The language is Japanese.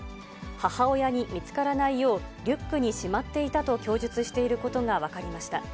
母親に見つからないよう、リュックにしまっていたと供述していることが分かりました。